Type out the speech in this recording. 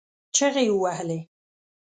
چغې يې ووهلې.